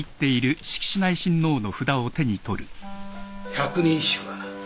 百人一首か。